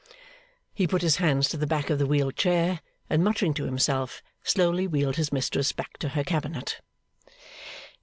He put his hands to the back of the wheeled chair, and muttering to himself, slowly wheeled his mistress back to her cabinet.